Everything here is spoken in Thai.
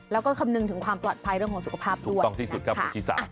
แล้วก็คำนึงถึงความปลอดภัยเรื่องของสุขภาพด้วยนะคะ